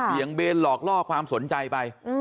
เหยียงเบรนด์หลอกล่อความสนใจไป